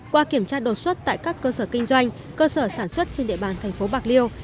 qua kiểm tra đột xuất tại các cơ sở kinh doanh cơ sở sản xuất trên địa bàn thành phố bạc liêu